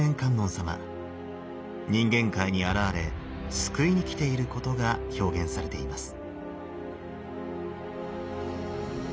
人間界に現れ救いに来ていることが表現されています。